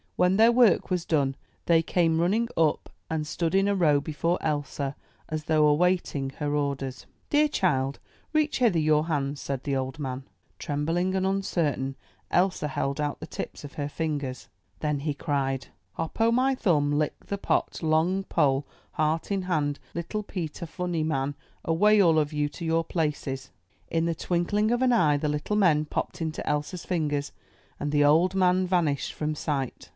When their work was done, they came running up and stood in a row before Elsa, as though awaiting her orders. "Dear child, reach hither your hands," said the old man. Trembling and uncertain, Elsa held out the tips of her fingers. Then he cried: 254 UP ONE PAIR OF STAIRS '^Hop o' My Thumb, Lick the Pot, Long Pole, Heart in Hand, Little Peter Funny Man, Away all of you to your places!*' In the twinkling of an eye the little men popped into Elsa's fingers, and the old man vanished from sight.